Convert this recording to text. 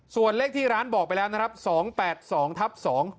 ส่วนเลขที่ร้านบอกไปแล้วนะครับ๒๘๒ทับ๒